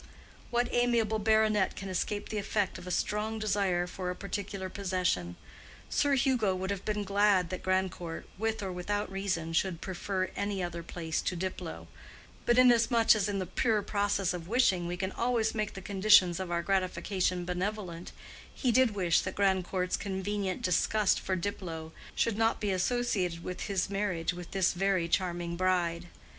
What amiable baronet can escape the effect of a strong desire for a particular possession? Sir Hugo would have been glad that Grandcourt, with or without reason, should prefer any other place to Diplow; but inasmuch as in the pure process of wishing we can always make the conditions of our gratification benevolent, he did wish that Grandcourt's convenient disgust for Diplow should not be associated with his marriage with this very charming bride.